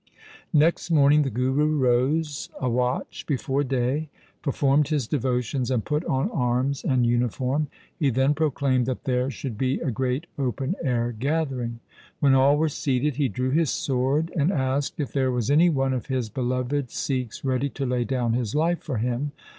Next morning the Guru rose a watch before day; performed his devotions, and put on his arms and uniform. He then proclaimed that there should be a great open air gathering. When all were seated he drew his sword, and asked if there was any one of his beloved Sikhs ready to lay down his life for him.